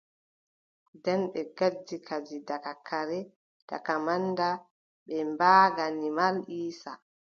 Nden ɓe gaddi kadi daga kare, daga manda, ɓe mbaagani Mal Iiisa.